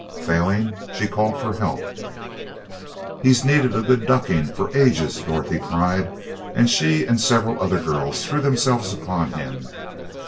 Failing, she called for help. "He's needed a good ducking for ages!" Dorothy cried, and she and several other girls threw themselves upon him.